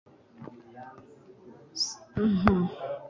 sophia loren